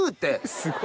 すごい！